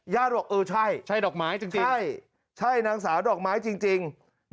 ญาติบอกเออใช่ใช่นางสาวดอกไม้จริง